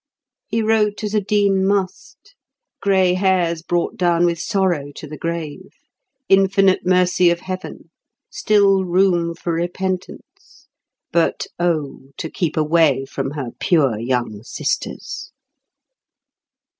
He wrote as a dean must—grey hairs brought down with sorrow to the grave; infinite mercy of Heaven; still room for repentance; but oh, to keep away from her pure young sisters!